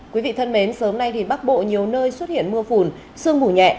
quý vị thân mến sớm nay thì bắc bộ nhiều nơi xuất hiện mưa phùn sương mù nhẹ